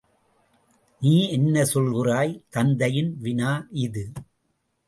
நீ என்ன சொல்கிறாய்? தந்தையின் வினா இது.